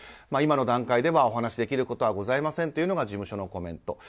今の段階ではお話しすることはございませんというのが事務所のコメント。